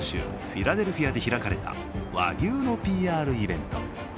フィラデルフィアで開かれた和牛のＰＲイベント。